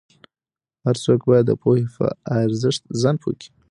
هر څوک باید د پوهې په ارزښت ځان پوه کړي.